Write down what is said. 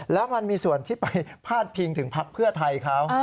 แล้วมันมีส่วนที่ไปพาดพิงถึงพักเพื่อไทยเขา